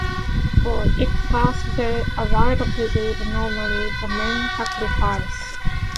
For its birthday a wild pig is normally the main sacrifice.